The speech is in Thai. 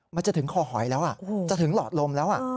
มันจะถึงคอหอยแล้วจะถึงหลอดลมแล้ว